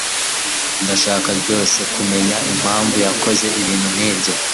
Ndashaka rwose kumenya impamvu yakoze ibintu nkibyo